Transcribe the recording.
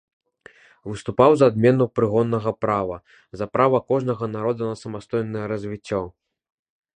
Выступаў за адмену прыгоннага права, за права кожнага народа на самастойнае развіццё.